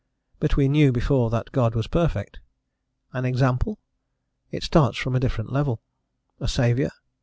But we knew before that God was perfect: an example? it starts from a different level: a Saviour?